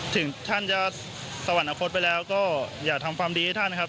ถึงท่านจะสวรรคตไปแล้วก็อย่าทำความดีให้ท่านครับ